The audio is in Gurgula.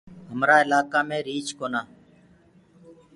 همرآ اِلآئيڪآ مينٚ ريٚڇ ڪونآ۔